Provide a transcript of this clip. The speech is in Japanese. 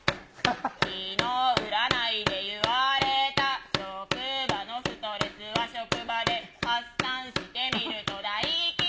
きのう、占いで言われた、職場のストレスは職場で発散してみると大吉。